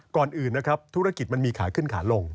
ก่อนอื่นนะครับธุรกิจมันมีขาขึ้นขาลง